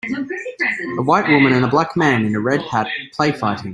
A white women and a black man in a red hat play fighting.